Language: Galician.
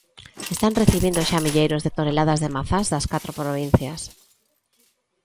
Están recibindo xa milleiros de toneladas de mazás das catro provincias.